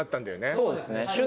そうですね。